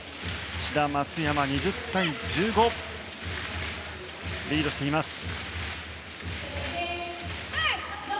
志田、松山が２０対１５とリードしています。